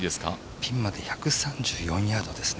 ピンまで１３４ヤードですね。